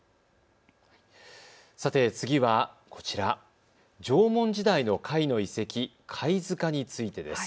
さて次はこちら縄文時代の貝の遺跡、貝塚についてです。